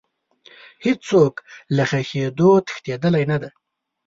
هیڅ څوک له ښخېدو تښتېدلی نه دی.